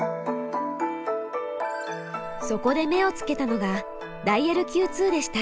そこで目をつけたのがダイヤルＱ２でした。